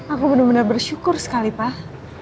aku bener bener bersyukur sekali pak